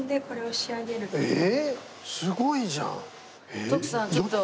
えすごいじゃん！